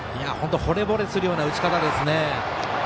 ほれぼれするような打ち方ですね。